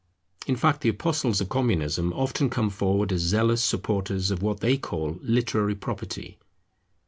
In fact the apostles of Communism often come forward as zealous supporters of what they call literary property.